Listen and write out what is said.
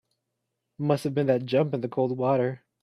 Must have been that jump in the cold water.